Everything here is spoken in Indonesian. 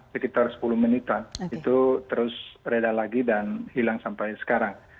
sekitar sepuluh menitan itu terus reda lagi dan hilang sampai sekarang